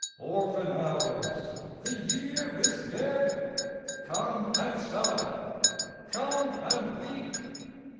Orphan Hours, the Year is dead, Come and sigh, come and weep!